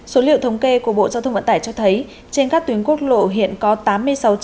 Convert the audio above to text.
số liệu thống kê của bộ giao thông vận tải cho thấy trên các tuyến quốc lộ hiện có tám mươi sáu trạm